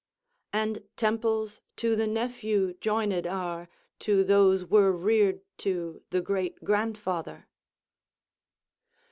"And temples to the nephew joined are, To those were reared to the great grandfather."